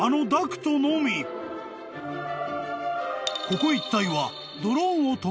［ここ一帯は］